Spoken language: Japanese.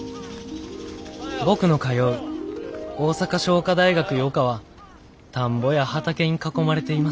僕の通う大阪商科大学予科は田んぼや畑に囲まれています。